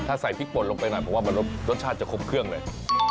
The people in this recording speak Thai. ถ้าใส่พริกป่นลงไปหน่อยผมว่ามันรสชาติจะครบเครื่องเลย